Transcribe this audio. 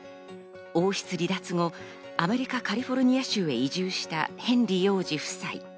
王室離脱後、アメリカ・カリフォルニア州へ移住したヘンリー王子夫妻。